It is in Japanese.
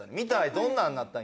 どんなんなったん？